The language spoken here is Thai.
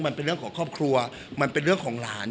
มันเป็นเรื่องของครอบครัวมันเป็นเรื่องของหลาน